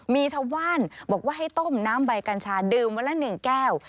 มีชาวว่านบอกว่าให้ต้มน้ำใบกัญชาเดิมเวลาหนึ่งแก้ว